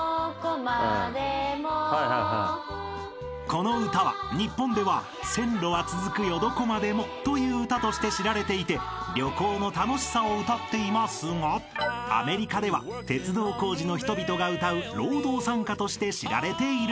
［この歌は日本では『線路はつづくよどこまでも』という歌として知られていて旅行の楽しさを歌っていますがアメリカでは鉄道工事の人々が歌う労働賛歌として知られているんです］